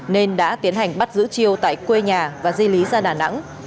nên đã tiến hành bắt giữ chiêu tại quê nhà và di lý ra đà nẵng